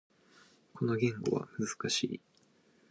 この言語は難しい。